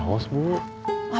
aduh ciraos mah jauh atuh mang